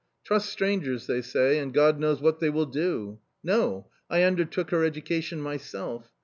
Trust strangers, they say, and God knows what they will do ! No ! I undertook her education myself.